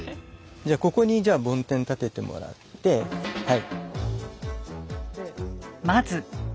ここにじゃあ梵天立ててもらってはい。